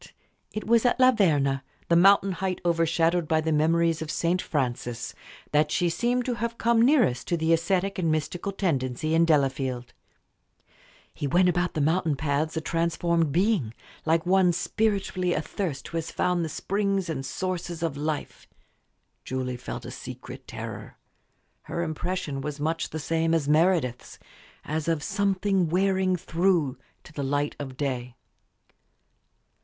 But it was at La Verna, the mountain height overshadowed by the memories of St. Francis, that she seemed to have come nearest to the ascetic and mystical tendency in Delafield. He went about the mountain paths a transformed being, like one long spiritually athirst who has found the springs and sources of life. Julie felt a secret terror. Her impression was much the same as Meredith's as of "something wearing through" to the light of day.